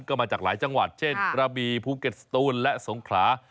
ก็มาจากหลายจังหวัดเช่นกระบีภูเก็ตสตูนและสงขลา